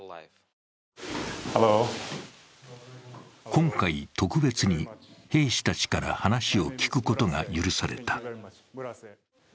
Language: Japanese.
今回、特別に兵士たちから話を聞くことが許された。